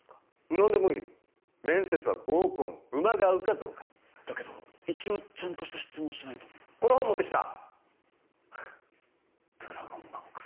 何でもいい面接は合コンウマが合うかどうかだけど一応ちゃんとした質問しないとこの本持ってきたドラゴンバンク